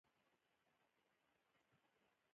په افغانستان کې هلمند سیند د خلکو په ژوند تاثیر کوي.